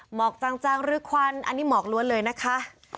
หมอกจังหรือควันอันนี้หมอกล้วนเลยนะคะ